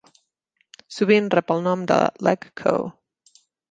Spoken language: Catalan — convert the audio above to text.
Sovint rep el nom de "LegCo".